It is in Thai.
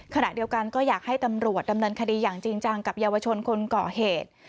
ขณะเดียวกันก็อยากให้ตำรวจดำเนินคดีอย่างจริงจังกับเยาวชนคนก่อเหตุ